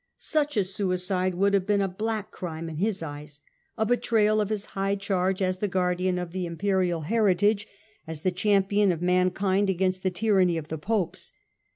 Such a suicide would have been a black crime in his eyes, a betrayal of his high charge as the guardian of the Imperial heritage, as the champion of mankind against the tyranny of the Popes.